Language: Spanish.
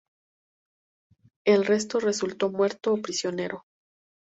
El resto resultó muerto o prisionero.